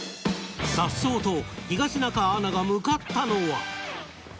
颯爽と東中アナが向かったのは。